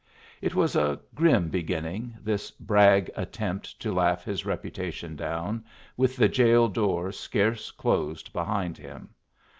It was a grim beginning, this brag attempt to laugh his reputation down, with the jail door scarce closed behind him.